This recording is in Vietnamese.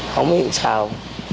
không biết sao